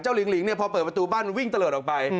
เจ้าลิงเนี่ยพอเปิดประตูบ้านวิ่งเตลอดออกไป